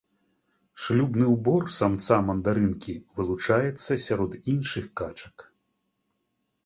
Шлюбны ўбор самца мандарынкі вылучаецца сярод іншых качак.